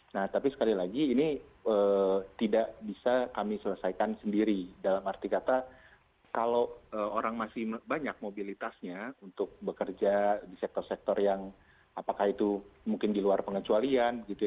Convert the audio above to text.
nah tapi sekali lagi ini tidak bisa kami selesaikan sendiri dalam arti kata kalau orang masih banyak mobilitasnya untuk bekerja di sektor sektor yang apakah itu mungkin di luar pengecualian gitu ya